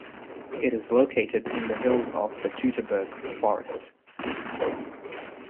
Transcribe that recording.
It is located in the hills of the Teutoburg Forest.